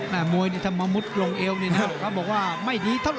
มวยนี่ถ้ามามุดลงเอวนี่นะเขาบอกว่าไม่ดีเท่าไ